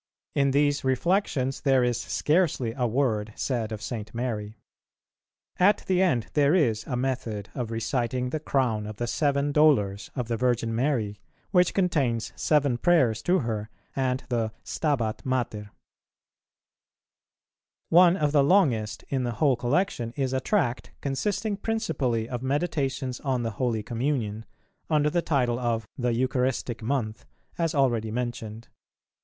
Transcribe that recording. In these reflections there is scarcely a word said of St. Mary. At the end there is a Method of reciting the Crown of the Seven Dolours of the Virgin Mary, which contains seven prayers to her, and the Stabat Mater. One of the longest in the whole collection is a tract consisting principally of Meditations on the Holy Communion; under the title of the "Eucharistic Month," as already mentioned.